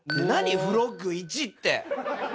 フロッグ１って。